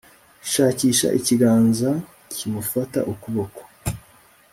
shakisha ikiganza kimufata ukuboko